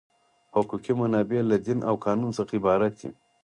حقوقي منابع له دین او قانون څخه عبارت دي.